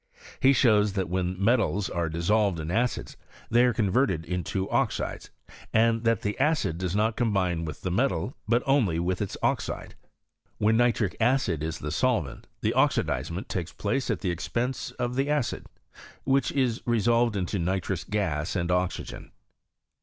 He shows that when metals are dissolved in acids, they are converted into oxides, and that the acid does not combine with the metal, but only with its oxide. When nitric acid is the solvent the oxidizement takes place at the expense of the acid, which is ie» solved into nitrous gas and oxygen.